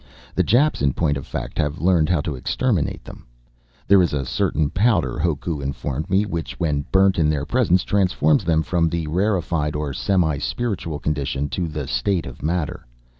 The Japs, in point of fact, have learned how to exterminate them. There is a certain powder, Hoku informed me, which, when burnt in their presence, transforms them from the rarefied, or semi spiritual, condition to the state of matter.